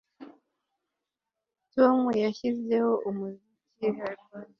Tom yashyizeho umuziki Hybrid